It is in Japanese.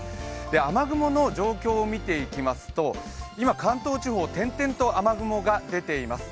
雨雲の状況を見ていきますと今、関東地方、点々と雨雲が出ています。